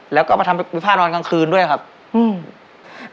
แล้วก็มาทำวิผ้านอนกลางคืนด้วยครับอืม